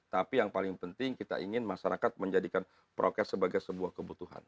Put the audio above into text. tapi yang paling penting kita ingin masyarakat menjadikan prokes sebagai sebuah kebutuhan